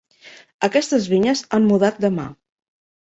Aquestes vinyes han mudat de mà.